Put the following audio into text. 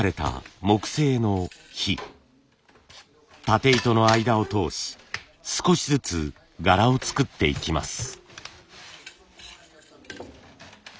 たて糸の間を通し少しずつ柄を作っていきます。